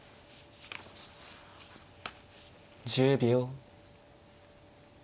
１０秒。